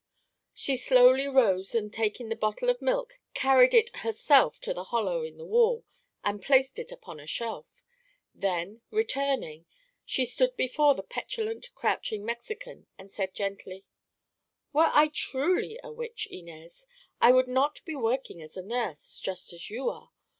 She slowly rose and taking the bottle of milk carried it herself to the hollow in the wall and placed it upon a shelf. Then, returning, she stood before the petulant, crouching Mexican and said gently: "Were I truly a witch, Inez, I would not be working as a nurse—just as you are.